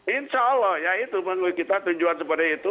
insya allah ya itu menurut kita tujuan seperti itu